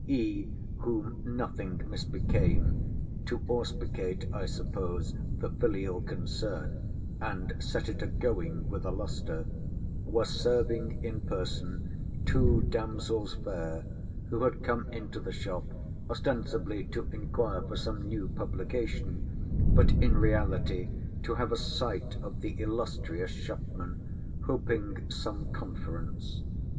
E., whom nothing misbecame—to auspicate, I suppose, the filial concern, and set it a going with a lustre—was serving in person two damsels fair, who had come into the shop ostensibly to inquire for some new publication, but in reality to have a sight of the illustrious shopman, hoping some conference.